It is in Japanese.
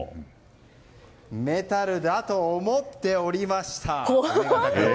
メタルだと思っておりました！